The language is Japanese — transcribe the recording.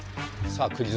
さあ